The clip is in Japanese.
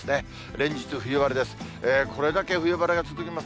連日冬晴れです。